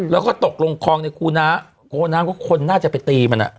แล้วก็ตกลงคลองในครูน้ากลัวน้ำก็คนน่าจะไปตีมันอ่ะ